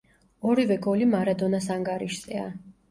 ორივე გოლი მარადონას ანგარიშზეა.